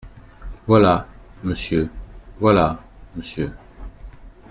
Voilà, monsieur ! voilà, monsieur !…